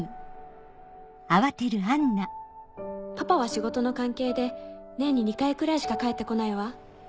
パパは仕事の関係で年に２回くらいしか帰って来ないわ。